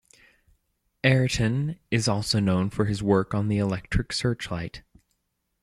Ayrton is also known for his work on the electric searchlight.